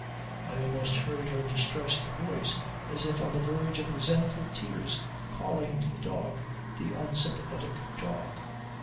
I almost heard her distressed voice as if on the verge of resentful tears calling to the dog, the unsympathetic dog.